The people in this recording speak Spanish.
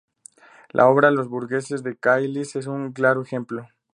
La obra "Los burgueses de Calais" es un claro ejemplo.